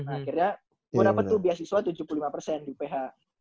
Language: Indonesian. akhirnya gue dapet tuh biasiswa tujuh puluh lima di uph